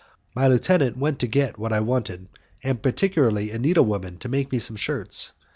My lieutenant went to get what I wanted, and particularly a needlewoman to make me some shirts.